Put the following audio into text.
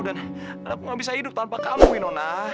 dan aku nggak bisa hidup tanpa kamu winona